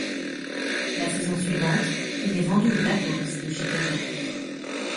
La saison suivante, il est vendu aux Black Hawks de Chicago.